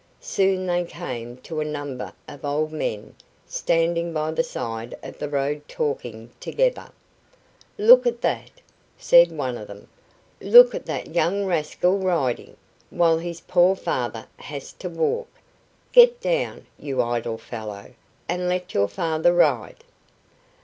Soon they came to a number of old men standing by the side of the road talking together. "Look at that," said one of them, "Look at that young rascal riding, while his poor father has to walk. Get down, you idle fellow, and let your father ride."